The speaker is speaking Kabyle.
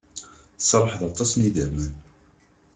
Tesruḥeḍ aṭas n yidammen.